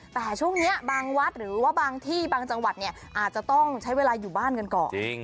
แต่ช่วงนี้บางวัดหรือว่าบางที่บางจังหวัดเนี่ยอาจจะต้องใช้เวลาอยู่บ้านกันก่อน